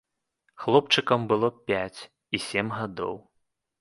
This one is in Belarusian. Хлопчыкам было пяць і сем гадоў.